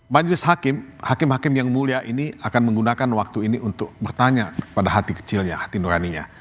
majelis hakim hakim yang mulia ini akan menggunakan waktu ini untuk bertanya pada hati kecilnya hati nuraninya